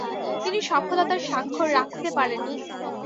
তিনি সফলতার স্বাক্ষর রাখতে পারেননি।